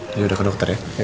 yaudah ke dokter ya